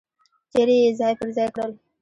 چیرې یې ځای پر ځای کړل.